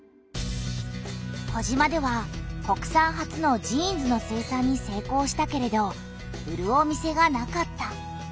児島では国産初のジーンズの生産に成功したけれど売るお店がなかった。